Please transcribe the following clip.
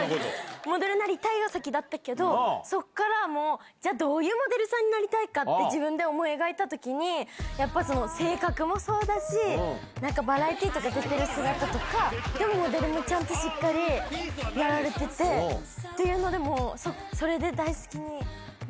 モデルになりたいが先だったけど、そこからもう、じゃあ、どういうモデルさんになりたいかって自分で思い描いたときに、やっぱ性格もそうだし、なんかバラエティーとか出てる姿とか、でもモデルもちゃんとしっかりやられててっていうのでもう、ありがとう。